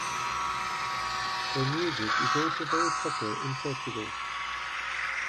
Her music is also very popular in Portugal.